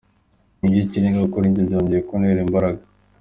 Ni iby’ikirenga kuri njye, byongeye kuntera imbaraga.